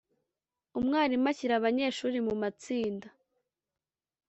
Umwarimu ashyira abanyeshuri mu matsinda